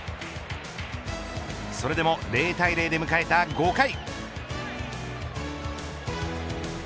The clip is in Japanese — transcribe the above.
それでも０対０で迎えた５回。